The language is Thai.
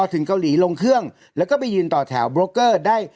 ถึงเกาหลีลงเครื่องแล้วก็ไปยืนต่อแถวโบรกเกอร์ได้